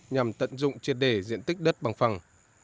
nhằm tận dụng triệt đề diện tích đất bằng phẳng